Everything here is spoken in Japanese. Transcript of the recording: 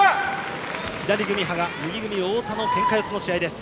左組みの羽賀、右組みの太田のけんか四つの試合。